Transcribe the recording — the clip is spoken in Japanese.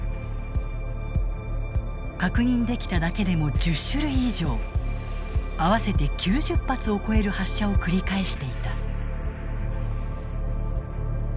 確認できただけでも１０種類以上合わせて９０発を超える発射を繰り返していた。